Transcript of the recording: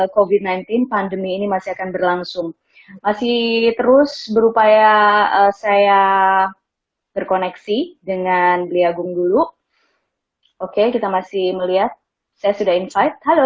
covid sembilan belas pandemi ini masih akan berlangsung masih terus berupaya saya berkoneksi dengan beliagung dulu oke kita masih melihat saya sudah invite halo